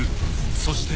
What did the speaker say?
そして］